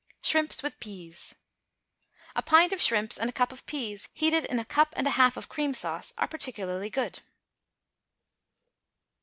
=Shrimps with Peas.= A pint of shrimps and a cup of peas, heated in a cup and a half of cream sauce, are particularly good.